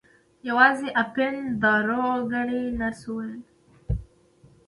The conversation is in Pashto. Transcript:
یوازې اپین دارو ګڼي نرس وویل.